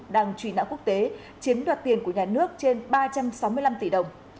đang truy nã quốc tế chiếm đoạt tiền của nhà nước trên ba trăm sáu mươi năm tỷ đồng